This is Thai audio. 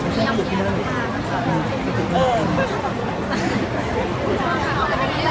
ช่องความหล่อของพี่ต้องการอันนี้นะครับ